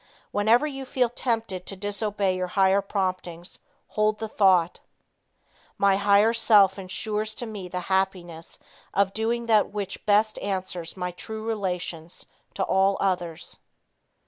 Whenever you feel tempted to disobey your higher promptings, hold the thought "My higher self insures to me the happiness of doing that which best answers my true relations to all others."